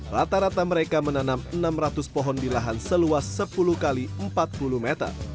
rata rata mereka menanam enam ratus pohon di lahan seluas sepuluh x empat puluh meter